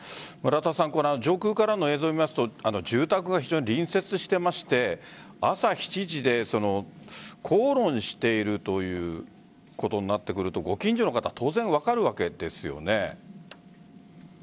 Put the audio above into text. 上空からの映像を見ると住宅が非常に隣接していまして朝７時で口論しているということになってくるとご近所の方は当然分かるわけですよね。